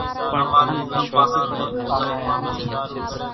ۿماۮي نان پاۿان نين ڪوۮارين ٿي ولي سي